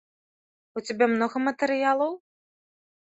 У цябе многа матэрыялаў?